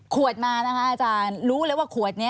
ขวดมานะคะอาจารย์รู้เลยว่าขวดนี้